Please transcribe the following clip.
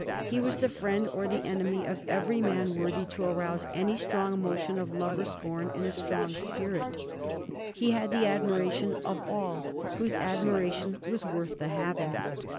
He was the friend or the enemy of every man worthy to arouse any strong emotion of love or scorn in a strong spirit. He had the admiration of all whose admiration was worth the having.